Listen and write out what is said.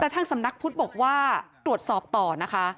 แต่ทางสำนักพุทธบอกว่าตรวจสอบต่อนะคะ